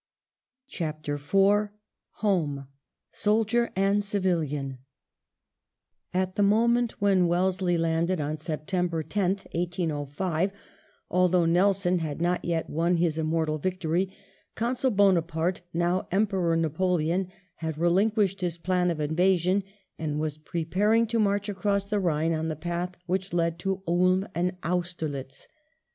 CHAPTER IV HOME: SOLDIER AND CIVILIAN At the moment when Wellesley landed on September 10th, 1805, although Nelson had not yet won his immortal victory, Consul Bonaparte, now Emperor Napoleon, had relinquished his plan of invasion, and was preparing to march across the Rhine on the path which led to Ulm and Austerlitz.